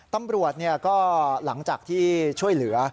ตำรวจก็หลังจากที่ช่วยเหลือ